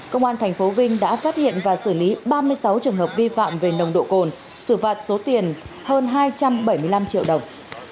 công an tp vinh đã phát hiện và xử lý ba mươi sáu trường hợp vi phạm về nồng độ cồn xử phạt số tiền hơn hai trăm bảy mươi năm triệu đồng